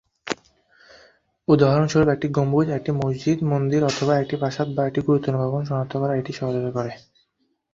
উদাহরণস্বরূপ একটি গম্বুজ একটি মসজিদ, মন্দির, অথবা একটি প্রাসাদ বা একটি গুরুত্বপূর্ণ ভবন, শনাক্ত করা এইটি সহজতর করে।